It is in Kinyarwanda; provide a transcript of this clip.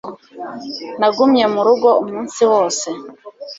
nagumye mu rugo umunsi wose